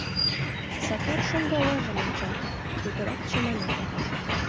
Сакар шоҥго аважым онча, путырак чамана.